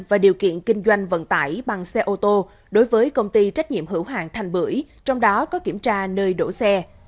và điều kiện kinh doanh vận tải bằng xe ô tô đối với công ty trách nhiệm hữu hạng thành bưởi trong đó có kiểm tra nơi đổ xe